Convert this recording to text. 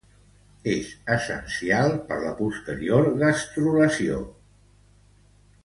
És essencial per la posterior gastrulació.